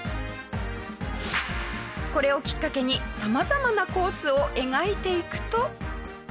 これをきっかけに様々なコースを描いていくと。